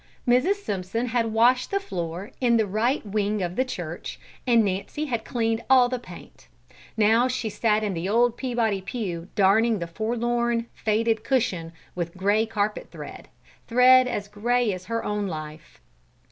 Mrs. Simpson had washed the floor in the right wing of the church and Nancy had cleaned all the paint. Now she sat in the old Peabody pew darning the forlorn, faded cushion with grey carpet thread: thread as grey as her own life.